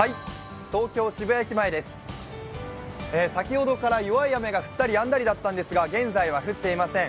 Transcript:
先ほどから弱い雨が降ったりやんだりだったんですが現在は降っていません。